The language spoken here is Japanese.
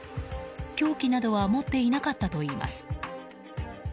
凶器などは持っていなかったといいます。